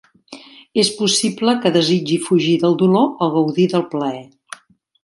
És possible que desitgi fugir del dolor o gaudir del plaer.